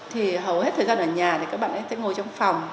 thì hầu hết thời gian ở nhà thì các bạn ấy sẽ ngồi trong phòng